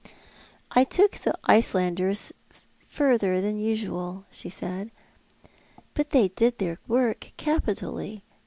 " I took the Icelanders further than usual," she said, " but they did their work capitally.